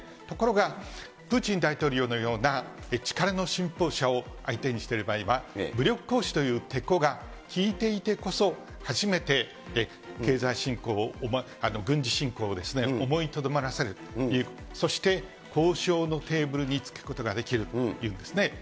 ところが、プーチン大統領のような力の信奉者を相手にしている場合には、武力行使というてこがきいていてこそ、初めて軍事侵攻を思いとどまらせるという、そして交渉のテーブルにつくことができるというんですね。